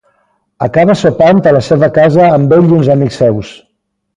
Acaba sopant a la seva casa amb ell i uns amics seus.